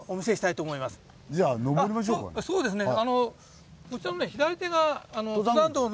そうですね。